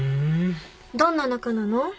どんな仲なの？